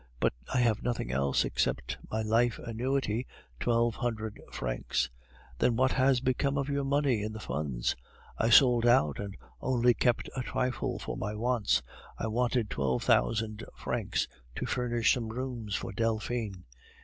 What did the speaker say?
But I have nothing else except my life annuity, twelve hundred francs..." "Then what has become of your money in the funds?" "I sold out, and only kept a trifle for my wants. I wanted twelve thousand francs to furnish some rooms for Delphine."